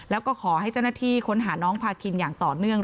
แล้วก็ขอให้เจ้าหน้าที่ค้นหาน้องพาคินอย่างต่อเนื่อง